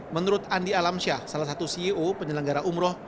menurut andi alamsyah salah satu ceo penyelenggara umroh